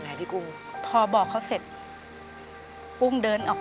เปลี่ยนเพลงเพลงเก่งของคุณและข้ามผิดได้๑คำ